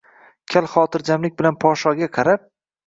Kal xotirjamlik bilan podshoga qarab